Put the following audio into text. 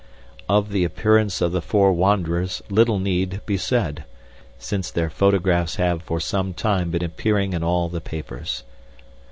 "Of the appearance of the four wanderers little need be said, since their photographs have for some time been appearing in all the papers.